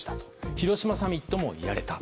広島サミットもやれた。